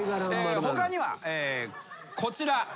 他にはこちら。